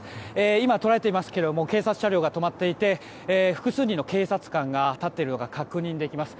今、捉えていますけど警察車両が止まっていて複数人の警察官が立っているのが確認できます。